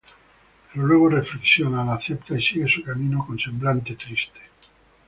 Pero luego reflexiona, la acepta y sigue su camino con semblante triste.